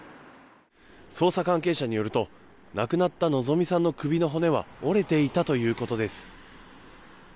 捜査関係者によると亡くなった希美さんの首の骨は折れていたということです。